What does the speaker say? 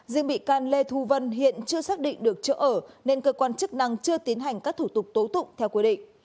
riêng bị can lê thu vân hiện chưa xác định được chỗ ở nên cơ quan chức năng chưa tiến hành các thủ tục tố tụng theo quy định